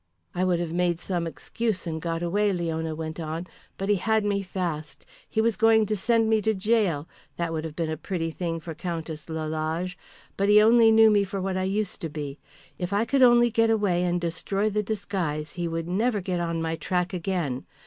"I would have made some excuse and got away," Leona went on. "But he had me fast. He was going to send me to gaol. That would have been a pretty thing for Countess Lalage! But he only knew me for what I used to be. If I could only get away and destroy the disguise he would never get on my track again.